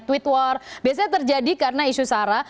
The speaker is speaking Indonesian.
tweet war biasanya terjadi karena isu sara